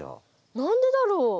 何でだろう？